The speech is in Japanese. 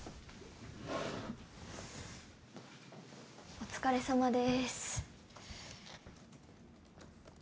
お疲れさまです